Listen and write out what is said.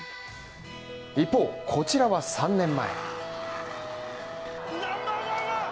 一方、こちらは３年前。